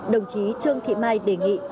đồng chí trương thị mai đề nghị